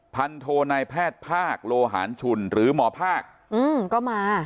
โทนายแพทย์ภาคโลหารชุนหรือหมอภาคก็มา